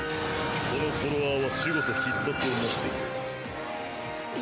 このフォロワーは守護と必殺を持っている。